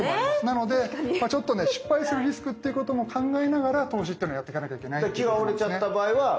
なのでちょっとね失敗するリスクっていうことも考えながら投資ってのをやってかなきゃいけないってことなんですね。